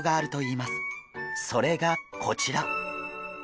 それがこちら。